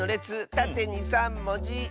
たてに３もじ。